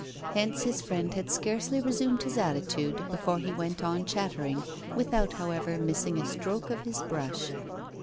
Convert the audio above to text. Hence his friend had scarcely resumed his attitude before he went on chattering, without, however, missing a stroke of his brush.